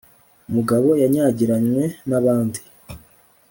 umugabo yanyagiranywe n'abandi